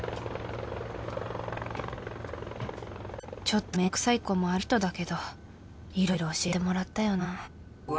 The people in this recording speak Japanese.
ちょっと面倒くさいとこもある人だけどいろいろ教えてもらったよな